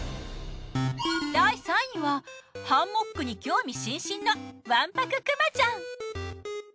第３位はハンモックに興味津々のわんぱくクマちゃん。